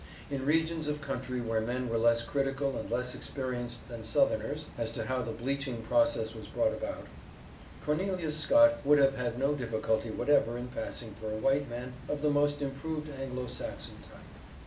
In regions of country where men were less critical and less experienced than Southerners, as to how the bleaching process was brought about, Cornelius Scott would have had no difficulty whatever in passing for a white man of the most improved Anglo Saxon type.